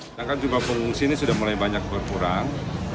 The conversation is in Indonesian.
sedangkan jumlah pengungsi ini sudah mulai banyak berkurang